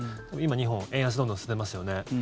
今、日本円安どんどん進んでますよね。